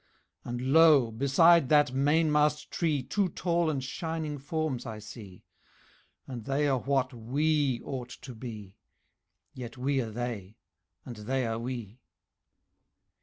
"And lo! beside that mainmast tree Two tall and shining forms I see, And they are what we ought to be, Yet we are they, and they are we."